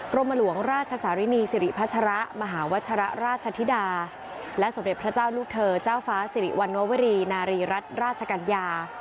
รมหลวงราชสารินีสิริพัชระมหาวัชระราชธิดาและสมเด็จพระเจ้าลูกเธอเจ้าฟ้าสิริวัณวรีนารีรัฐราชกัญญา